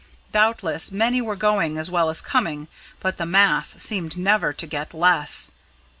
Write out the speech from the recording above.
Doubtless many were going as well as coming, but the mass seemed never to get less.